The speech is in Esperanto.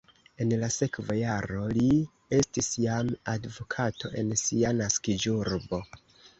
En la sekva jaro li estis jam advokato en sia naskiĝurbo.